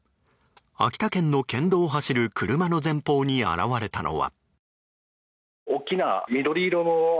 秋田県の県道を走る車の前方に現れたのは。